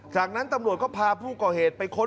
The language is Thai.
จากนั้นตำรวจก็พาผู้ก่อเหตุไปค้น